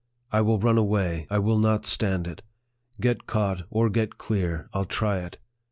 I will run away. I will not stand it. Get caught, or get clear, I'll try it.